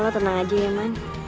oh tenang aja ya man